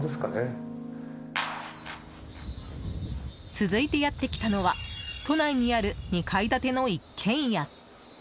続いてやってきたのは都内にある２階建ての一軒家。